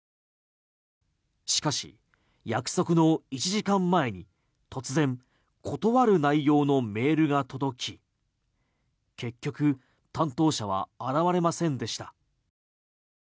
しかし約束の１時間前に突然断る内容のメールが届き結局担当者は現れませんでした。